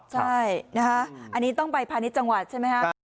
ใช่อันนี้ต้องไปพานิจจังหวัดใช่ไหมครับ